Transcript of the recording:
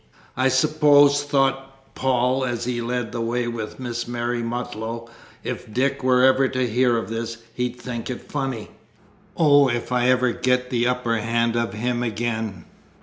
"I suppose," thought Paul, as he led the way with Miss Mary Mutlow, "if Dick were ever to hear of this, he'd think it funny. Oh, if I ever get the upper hand of him again